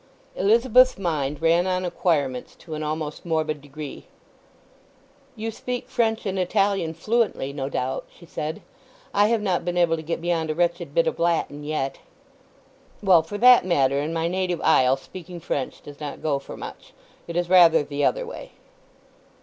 Elizabeth's mind ran on acquirements to an almost morbid degree. "You speak French and Italian fluently, no doubt," she said. "I have not been able to get beyond a wretched bit of Latin yet." "Well, for that matter, in my native isle speaking French does not go for much. It is rather the other way."